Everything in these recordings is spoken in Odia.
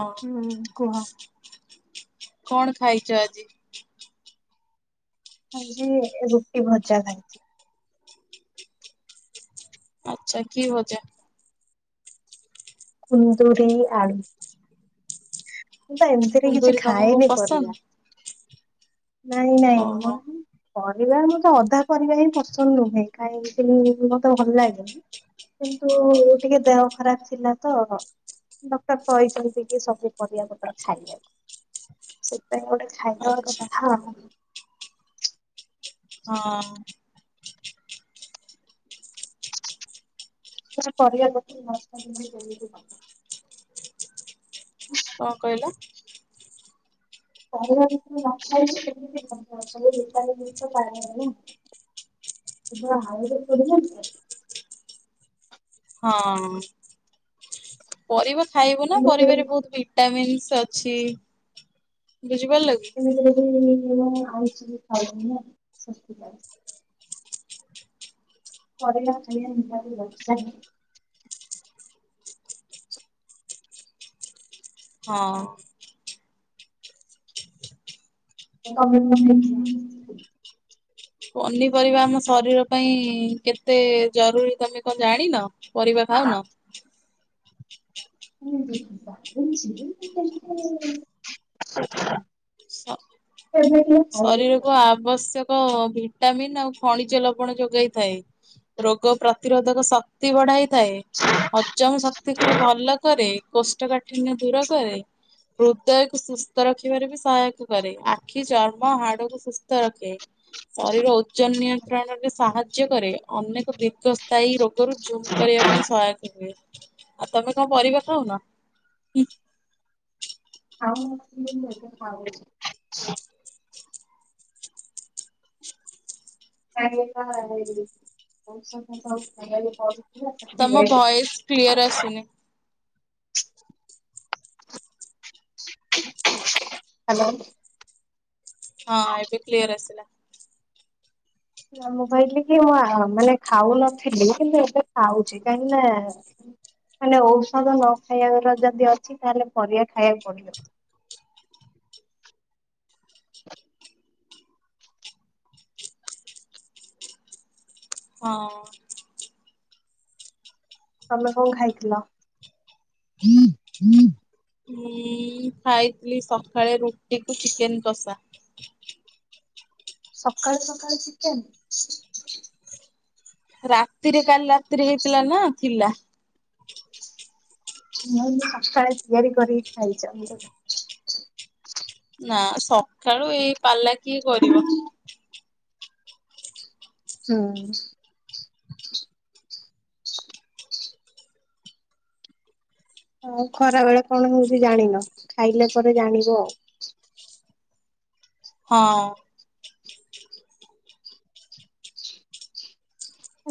ହଁ ହୁଁ କୁହ। କଣ ଖାଇଚ ଆଜି। ଆଜି ରୁଟି ଭଜା ଖାଇଚି। ଆଚ୍ଛା କି ଭଜା। କୁନ୍ଦୁରି ଆଳୁ ମୁଁ ତ ଏମିତିରେ କିଛି କୁନ୍ଦୁରି ତମକୁ ଖାଏନି ପରିବା। ପସନ୍ଦ ନାଇଁ ନାଇଁ ଓହୋ। [unintelligible] ପରିବା ମତେ ଅଧା ପରିବା ହିଁ ପସନ୍ଦ ନୁହେଁ ଖାଇଵିନିମତେ ଭଲ ଲାଗେନି। କିନ୍ତୁ ଟିକେ ଦେହ ଖରାପ୍ ଥିଲା ତ ଡକ୍ଟର କହିଚିନ୍ତି କି ସବୁ କରିବାପତ୍ର ଖାଇବାକୁ। ସେଥିପାଇଁ ଗୋଟେ ଖାଇଦବା ଆଚ୍ଛା କଥା। ହଁ। [unintelligible] କଣ କଇଲ। ପରିବା ପତ୍ର ନଖାଇଲେ କେମିତି ହଵ [unintelligible] [inaudible] ହଁ ପରିବା ଖାଇବୁ ନା ପରିବାରେ ବହୁତ ବି ଟାମିନ୍ସ ଅଛି ବୁଝିପାରଲ କି? ଆୟୁଷ ବି ଖାଉଚି ନା [unintelligible] ପରିବା ଖାଇବା ନିହାତି ଦରକାର। ହଁ। [unintelligible] ପନିପରିବା ଆମ ଶରୀର ପାଇଁ କେତେ ଜରୁରୀ ତମେ କଣ ଜାଣିନ? ପରିବା ଖାଉନ? [unintelligible] ଶ ଖାଇଲି ଶରୀର ଆଉ। ଆବଶ୍ୟକ ଭିଟାମିନ୍ ଆଉ ଖଣିଜ ଲବଣ ଯୋଗାଇଥାଏ। ରୋଗ ପ୍ରତିରୋଧକ ଶକ୍ତି ବଢାଏ। ଥାଏ ହଜମ ଶକ୍ତିକୁ ଭଲ କରେ କୋଷ୍ଠକାଠିିନ୍ୟ ଦୂର କରେ। ହୃଦୟକୁ ସୁସ୍ଥ ରଖିବାରେ ବି ସହାୟକ କରେ ଆଖି ଚର୍ ମୋ ହାଡ଼କୁ ସୁସ୍ଥ ରଖେ। ଶରୀର ଓଜନ ନିୟନ୍ତ୍ରଣରେ ସାହାଯ୍ୟ କରେ ଅନେକ ଦୀର୍ଘସ୍ଥାୟୀ ରୋଗରୁୁ କରିବା ପାଇଁ ସହାୟକ ହୁଏ। ଆଉ ତମେ କଣ ପରିବା ଖାଉନ? ଖାଉ ନଥିଲି ମୁଁ ଏବେ ଖାଉଛି। କା [unintelligible] ତମ ଭଏସ କ୍ଲିୟର ଆସୁନି। ହାଲୋ। ହଁ ଏବେ କ୍ଲିୟର ଆସିଲା। ନା ମୁଁ କହିଲି କି ମୁଁ ମାନେ ଖାଉନଥିଲି କିନ୍ତୁ ଏବେ ଖାଉଛି କାହିଁକି ନା ମାନେ ଔଷଧ ନ ଖାଇବାର ଯଦି ଅଛି ତାହେଲେ ପରିବା ଖାଇବାକୁ ପଡିବ। ହଁ। ତମେ କଣ ଖାଇଥିଲ? ମୁଁ ଖାଇଥିଲି ସକାଳେ ରୁଟି କୁ ଚିକେନ କଷା। ସକାଳୁ ସକାଳୁ ଚିକେନ। ରାତିରେ କାଲି ରାତିରେ ହେଇଥିଲା ନା ଥିଲା। ମୁଁ ବି ସକାଳେ ତିଆରି କରିକି ଖାଇଛ। ନା ସକାଳୁ ଏଇ ପାଲା କିଏ କରିବ। ହୁଁ। ହଉ ଖରା ବଳେ କଣ ହଉଛି ଜାଣିନ ଖାଇଲେ ପରେ ଜାଣିବ ଆଉ। ହଁ।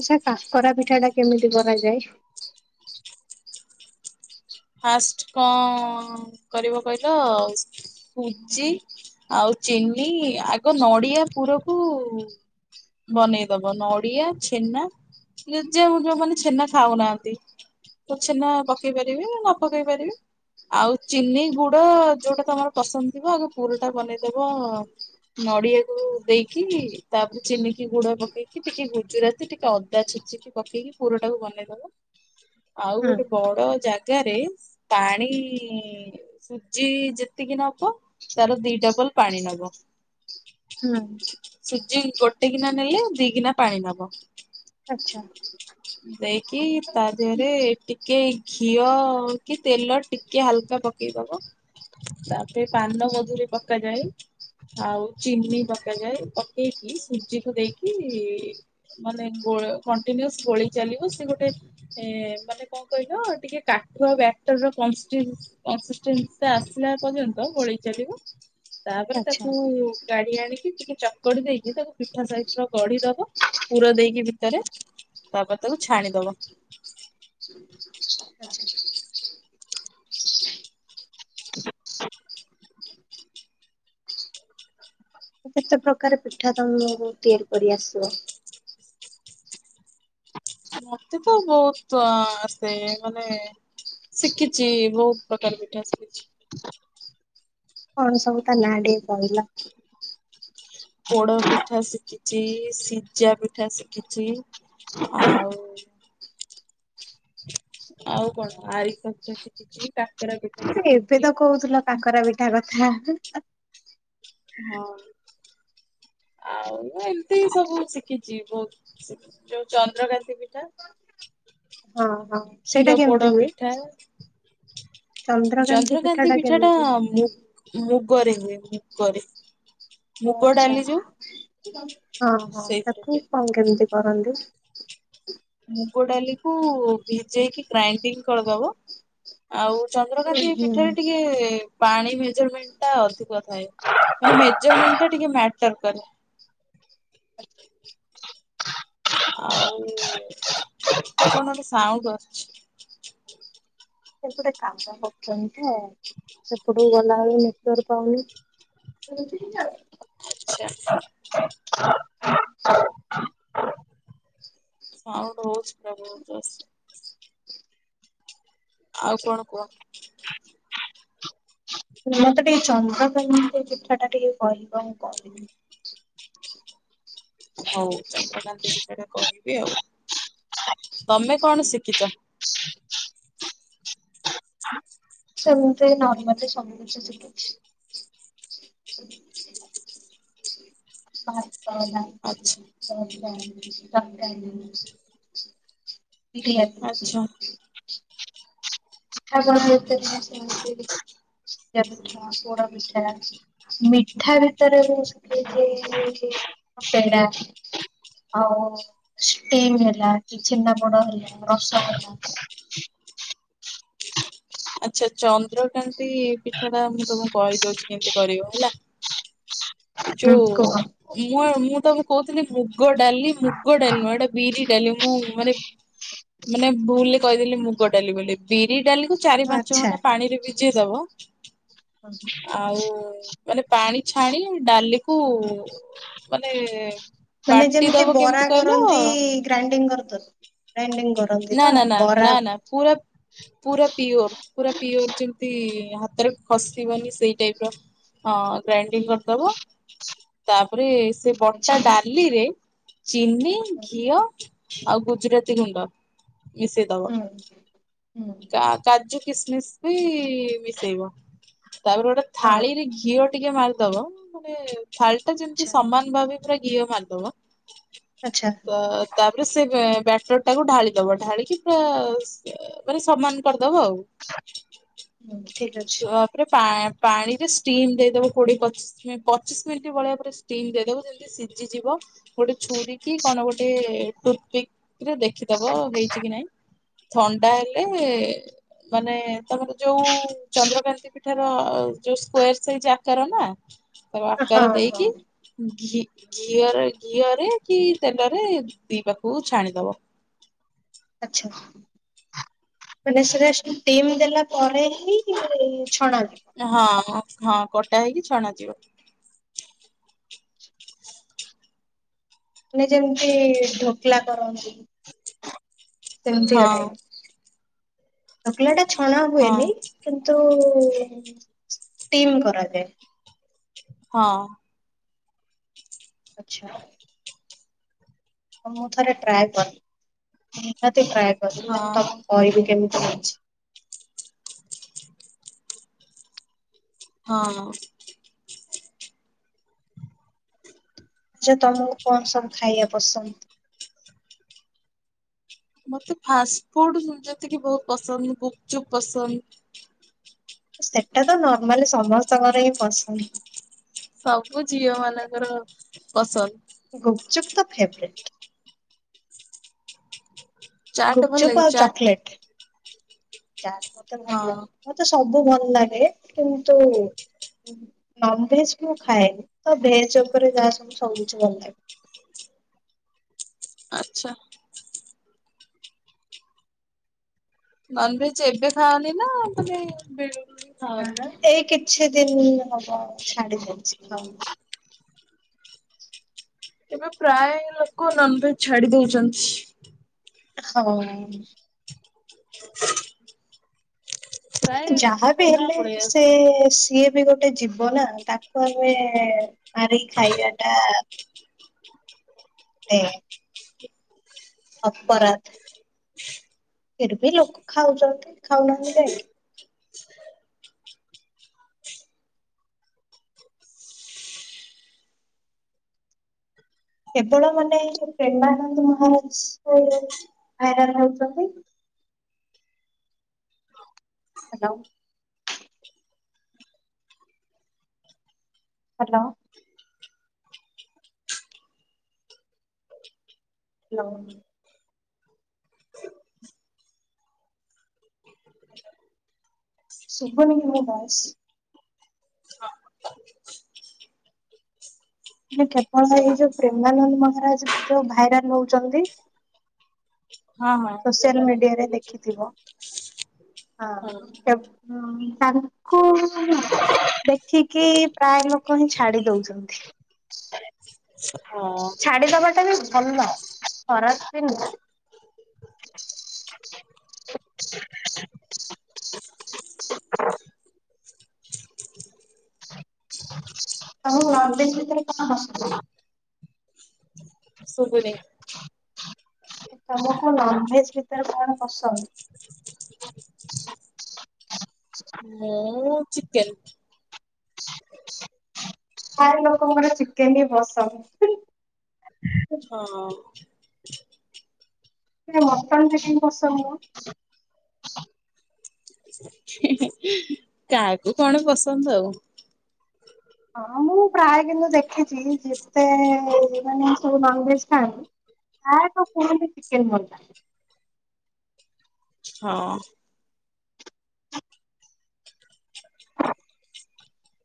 ଆଛା କାକରା ପିଠା ଟା କେମିତି କରାଯାଏ? ଫାଷ୍ଟ କଣ କରିବ କହିଲ ଶୁଜିି ଆଉ ଚିନି ଆଗ ନଡିଆ ପୁରୀକୁ ବନେଇ ଦବ ନଡିଆ ଛେନା ଯେ ଯେ ଯୋଉମାନେ ଛେନା ଖାଉନାହାନ୍ତି। ତ ଛେନା ପକେଇ ପାରିବେ ନ ପକେଇ ପାରିବେ। ଆଉ ଚିନି ଗୁଡ ଯୋଉଟା ତମର ପସନ୍ଦ ଥିବ ଆଗ ପୁରୁଣା ବନେଇଦବ। ନଡିଆକୁ ଦେଇକି ତାପରେ ଚିନିକି ଗୁଡ ପକେଇକି ଟିକେ ଗୁଜୁରାତି ଟିକେ ଅଦା ଛେଚିକି ପକେଇକି ପୁରଟାକୁ ବନେଇଦବ। ଆଉ ହୁଁ ଗୋଟେ ବଡ ଜାଗାରେ ପାଣି ସୁଜି ଯେତିକି ନବ ତାର ଦିଡବଲ୍ ପାଣି ନବ। ହୁଁ ସୁଜି ଗୋଟେ ଗିନା ନେଲେ ଦି ଗିନା ପାଣି ନବ। ଆଛା। ଦେଇକି। ତା ଦେହ ରେ ଟିକେ ଘିଅ କି ତେଲ ଟିକେ ଟିକେ ହାଲକା ପକେଇଦବ ତାପରେ ପାନ ମଧୁରି ପକାଯାଏ। ଆଉ ଚିନି ପକାଯାଏ। ପକେଇକି ସୁଜି କୁ ଦେଇକି ମାନେ ଗୋ କଂଟିନୁୟୂଷ ଗୋଳେଇ ଚାଲିବସେ ଗୋଟେ ଏ ମାନେ କଣ କହିଲ। ଟିକେ କାଠୁଆ ବ୍ୟକ୍ଟର ର କଂସ୍ଟିନ। କଂସ୍ଟିନ ସି ରେ ଆସିଲା ପର୍ଯ୍ୟନ୍ତ ଗୋଳେଇ ଚାଲିବୁ। ତାପରେ ଆଚ୍ଛା ତାକୁ କାଢ଼ି ଆଣିକି ଟିକେ ଚକୁଡ଼ି ଦେଇକି। ତାକୁ ପିଠା ସାଇଜ ର ଗଡ଼ି ଦବ। ପୁର ଦେଇ କି ଭିତରେ। ତା ପରେ ତାକୁ ଛାଣିଦବ। ଆଛାା [unintelligible] କେତେ ପ୍ରକାର ପିଠା ତମକୁ ତିଆରି କରି ଆସିବ? ମତେ ତ ବହୁତ ଆସ୍ତେ ମାନେ ଶିଖିଛି ବହୁତ ପ୍ରକାର ପିଠା ଶିଖିଛି। କଣ ସବୁ ତା ନାଁ ଟା କହିଲ? [inaudible] ପୋଡ ପିଠା ଶିଖିଚି ସିଝା ପିଠା ଶିଖିଚି। ଆଉ ଆଉ କଣ ଆରିଷ ପଠା ଶିଖିଚି କାକରା କିଠା ଏବେ ତ କହୁଥିଲ କାକରା ପିଠା କଥା। ହଁ ଆଉ ଏମିତି ସବୁ ଶିଖିଚି ବହୁତ। ଯୋଉ ଚନ୍ଦ୍ରକାନ୍ତି ପିଠା। ଓ ହଁ କ୍ଷୀର ସେଇଟା କେମିତି ହୁଏ? [unintelligible] ଚନ୍ଦ୍ରକାନ୍ତି ପିଠା ଟା ମୁ ମୁଗରେ ହୁଏ ମୁଗରେ। ଓ ମୁଗ ଆଚ୍ଛା ଡାଲି ଯୋଉ ହଁ ହଁ ସେଇଥିରେ ହୁଏ। ତାକୁ କଣ କେମିତି କରନ୍ତି। ମୁଗ ଡାଲିକୁ ଭିଜେଇକି ଗ୍ରାଇଣ୍ଡିଙ୍ଗ କରିଦେବ। ଆଉ ଚନ୍ଦ୍ରକାନ୍ତି ହୁଁ ପିଠାରେ ଟିକେ ପାଣି ମେଜରମେଣ୍ଟ ଟା ଅଧିକ। ଥାଏ। ମାନେ ମେଜରମେଣ୍ଟଟା ଟିକେ ମ୍ୟାଟର କରେ। ଆଉ କଣ ଗୋଟେ ସାଉଣ୍ଡ ଆସୁଚି। ସେପଟେ କାମ କରୁଚନ୍ତି ତ ସେପଟକୁ ଗଲାବେଳକୁ ନେଟ ଟୱାର୍କ ପାଉନି। ଆଚ୍ଛା। [inaudible] ସାଉଣ୍ଡ ହୋଉଚି ପ୍ରବଳ ଜୋରସେ। ଆଉ କଣ କୁହ? ନା ମତେ ଟିକେ ଚନ୍ଦ୍ରକ୍ରାନ୍ତି ପିଠା ଟା ଟିକେ କହିବ ମୁଁ କରିବି। ହଉ ଚନ୍ଦ୍ରକାନ୍ତି ପିଠାଟା କହିବି ଆଉ। ତମେ କଣ ଶିଖିଚ? ସେମିତି ନାହିଁ ମୁ ତ ସବୁ କିଛି ଶିଖିଚି। ଭାଇଁ କୋହୁନାହାନ୍ତି। ଆଚ୍ଛା ଆଚ୍ଛା [unintelligible] ଆଉ ଜଣେ ଏତେ [unintelligible] ପୋଡ଼ ପିଠା ମିଠା ଭିତରେ ମୁଁ ଶିଖିଚି ପେଡ଼ା। ଆଉ ଷ୍ଟିମ୍ ହେଲା କି ଛିନା ପୋଡ ହେଲା ରସଗୋଲା ହେଲା। ଆଚ୍ଛା ଚନ୍ଦ୍ରକାନ୍ତି ପିଠା ଟା ମୁଁ ତୁମକୁ କହିଦଉଚି କେମିତି କରିବ ହେଲା ଏ ହୁଁ ଯୋଉ କୁହ। ମୁଁ ମୁଁ ତମକୁ କହୁଥିଲି ମୁଗ ଡାଲି ମୁଗ ଡାଲି ନୁହଁ ଏଇଟା ବିରି ଡାଲି ମୁଁ ମାନେ ମାନେ ଭୁଲରେ କହିଦେଲି ମୁଗ ଡାଲି ବୋଲି ବିରି ଡାଲିକୁ ଚାରି ପାଞ୍ଚ ଆଚ୍ଛା ଘଣ୍ଟା ପାଣିରେ ଭିଜେଇ ଦବ ମାନେ ଆଉ ମାନେ ପାଣି ଛାଣି ଡାଲିକୁୁ ମାନେ ମାନେ ବାଟି ଯେମିତି ଦବ ବରା କେମିତି କହିଲ କରନ୍ତି ଗ୍ରାଇଣ୍ଡିଙ୍ଗ କରିଦବ। ଗ୍ରାଇଡିଗ କରନ୍ତି ତ ବରା ହପୁରା ପୁରା ପିଓର ପୁରା ପିଓର ଯେମତି ହାତରେ ଖସିବନି ସେଇ ଟାଇପ ର ହଁ ଗ୍ରାଇଣ୍ଡିଙ୍ଗ କରିଦବ ତାପରେ ସେ ବଟା ଡ଼ାଲିରେ ଚିନି ଘିଅ ଆଉ ଗୁଜୁରାତି ଗୁଣ୍ଡ ମିଶେଇଦବ ହୁଁ ହୁଁ କା କାଜୁ କିସମିସ୍ ବି ମିଶେଇବ ତାପରେ ଗୋଟେ ହଁ ଥାଳିରେ ଘିଅ ଟିକେ ମାରିଦବ ମାନେ ଥାଳିଟା ଯେମିତି ଆଛା ସମାନ ଭାବେ ପୁରା ଘିଅ ମାରିଦବ। ଆଛା ତ ତାପରେ ସେ ବେ ବ୍ୟାଟର ଟାକୁ ଢ଼ାଳି ଦବ ଢ଼ାଳିକି ପୁରା ସ ମାନେ ସମାନ କରିଦବ ଆଉ। ହୁଁ ଠିକ ଅଛି। ତ ପରେ ପା ପାଣିରେ ଷ୍ଟିମ ଦେଇଦବ କୋଡିଏ ପଚିଶ ପଚିଶ ମିନିଟ୍ ଭଳିଆ ପୁରା ଷ୍ଟିମ ଦେଇଦବ ଯେମିତି ସିଜିଯିବ। ଗୋଟେ ଛୁରୀ କି କଣ ଗୋଟେ ଟୁଥପିକ ରେ ଦେଖି ବ ହେଇଛି କି ନାଇଁ ଥଣ୍ଡା ହେଲେ ମାନେ ତମର ଯୋଉ ଚନ୍ଦ୍ରକାନ୍ତି ପିଠାର ଯୋଉ ସ୍କୋୟାର ସାଇଜ ଆକାରନା। ତା ହଁ ଆକାର ହଁ ଦେଇକିି ଘି ଘିଅରେ ଘିଅରେ କି ତେଲରେ ଦି ପାଖକୁ ଛାଣିଦବ। ଆଚ୍ଛା। ମାନେ ସେଟା ଷ୍ଟିମ୍ ଦେଲା ପରେ ହିଁ ଛଣା ଯିବ ହଁ ହଁ କଟା ହେଇକି ଛଣା ଯିବ। ମାନେ ଯେମିତି ଢ଼ୋକଲା କରନ୍ତି। ସେମିତିଆ ହଁ ଟାଇପ ଢ଼ୋକଲାଟା ଛଣା ହୁଏନି। ହଁ କିନ୍ତୁ ଟିମ୍ କରାଯାଏ। ହଁ। ଆଚ୍ଛା। ମୁଁ ଥରେ ଟ୍ରାଏ କରେ ନିହାତି ଟ୍ରାଏ କରିବି ହଁ ତମ କହିବି କେମିତି ହେଇଚି। ହଁ। ଆଛା ତମକୁ କଣ ସବୁ ଖାଇଆ ପସନ୍ଦ? ମତେ ଫାଷ୍ଟଫୁଡ଼ ଯେତିକି ବହୁତ ପସନ୍ଦ ଗୁପଚୁପ ପସନ୍। ସେଟା ତ ନର୍ମାଲି ସମସ୍ତଙ୍କର ହିଁ ପସନ୍। ସବୁ ଝିଅ ମାନଙ୍କର ପସନ୍ଦ। ଗୁପଚୁପ୍ ତ ଫେବରେଟ୍। ଚାଟ ଭଲ ଗୁପଚୁପ୍ ଲାଗେ ଆଉ ଚାଟ ଚକଲେଟ୍। ଚା ମତେ ଭଲ ହଁ ଲାଗେ ମତେ ସବୁ ଭଲ ଲାଗେ କିନ୍ତୁ ନନଭେଜ ମୁଁ ଖାଏନି ତ ଭେଜ ଓପରେ ଯାହା ସବୁ ସବୁ କିଛି ଭଲ ଲାଗେ। ଆଚ୍ଛା। ନନଭେଜ ଏବେ ଖାଅନି ନା ମାନେ ବେଳେବେଳେ ଲାଗେ। ଖାଅନି? ଏଇ କିଛି ଦିନ୍ ହବ ଛାଡ଼ି ଦେଇଛି ଖାଉନି। ଏବେ ପ୍ରାଏ ଲୋକ ନନଭେଜ ଛାଡ଼ି ଦଉଛନ୍। ହଁ। ପ୍ରାୟ ଯାହା ବିି ବୁଢା ହେଲେ ପଳେଇ ସେ ଆସୁଛି। ସିଏ ବି ଗୋଟେ ଜୀବ ନା ତାକୁ ଆମେ ମାରିକି ଖାଇବାଟା ଟେ ଅପରାଧ୍। ଫିରବି ଲୋକ ଖାଉଛନ୍ତି ଖାଉନାହାନ୍ତି କାହିଁକି? କେବଳ ମାନେ ପ୍ରେମାନନ୍ଦ ମହାରାଜ ଭାଇରାଲ ହଉଛନ୍ତି। ହାଲୋ। ହାଲୋ। ହାଲୋ। ଶୁବୁନିକି ମୋ ଭଏସ୍? କେବଳ ଏଇ ଯୋଉ ପ୍ରେମାନନ୍ଦ ମହାରାଜ ଯୋଉ ଭାଇରାଲ ହଉଚନ୍ତି। ହଁ ହଁ ସୋସିଆଲ ସେମାନେ ମିଡିଆରେ କରୁଛି ଦେଖିଥିବ ହଁ [unintelligible] [unintelligible] ଦେଖିକି ପ୍ରାୟ ଲୋକ ହିଁ ଛାଡି ଦଉଚନ୍ତି। ହଁ। ଛାଡ଼ିଦେବାଟା ବି ଭଲ ଖରାପ ବି ନୁହଁ। ତମ ଲଗେଜ୍ ଭିତରେ କଣ ଅଛି? ସୁବୁନି। ତମକୁ ନନଭେଜ୍ ଭିତରେ କଣ ପସନ୍ଦ? ମୁଁ ମୁଁ ଚିକେନ୍। ଥାଏ ଲୋକଙ୍କର ଚିକେନ ଟିକେ ପସନ୍ଦ। ହଁ। କାଇଁ ମଟନ ଟା କାଇଁ ପସନ୍ଦ ନୁହଁ? ହେ ହେ ହେ କାହାକୁ କଣ ପସନ୍ଦ ଆଉ। ହଁ ମୁଁ ପ୍ରାୟ କିନ୍ତୁ ଦେଖିଛି ଯେତେ ମାନେ ସବୁ ନନଭେଜ୍ ଖାଆନ୍ତି ପ୍ରାୟତଃ କୁହନ୍ତି ଚିକେନ ଭଲ ଲାଗେ। ହଁ।